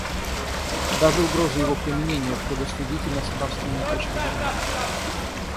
Даже угроза его применения предосудительна с нравственной точки зрения.